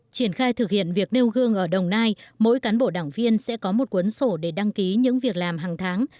triển khai thực hiện việc nêu gương ở đồng nai mỗi cán bộ đảng viên sẽ có một cuốn sổ để đăng ký những việc làm hàng tháng